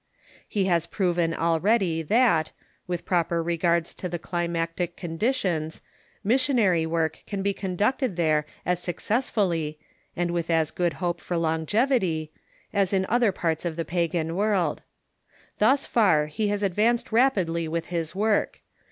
He has proven already that, M'ith proper regards to the climatic conditions, missionary work can be conducted there as successfully, and with as good hope for longevit}^, as in other parts of the pagan world. Thus far he has advanced rapidly with his work.